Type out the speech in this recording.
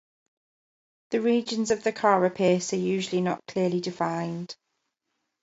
The regions of the carapace are usually not clearly defined.